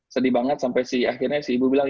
sedih banget sampai si akhirnya si ibu bilang